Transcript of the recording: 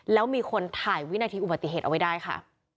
แล้วมีคนถ่ายวินาทีอุบัติเหตุเอาไว้ได้ค่ะ